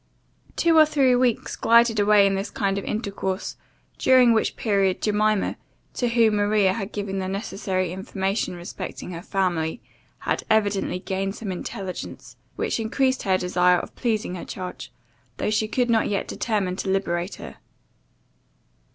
Two or three weeks glided away in this kind of intercourse, during which period Jemima, to whom Maria had given the necessary information respecting her family, had evidently gained some intelligence, which increased her desire of pleasing her charge, though she could not yet determine to liberate her.